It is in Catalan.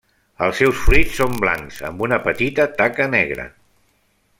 Els seus fruits són blancs amb una petita taca negra.